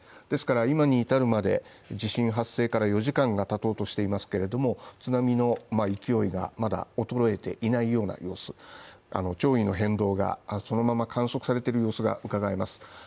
ですから今に至るまで、地震発生から４時間が経とうとしていますけれども、津波の勢いがまだ衰えていないような様子潮位の変動がそのまま観測されている様子がうかがえます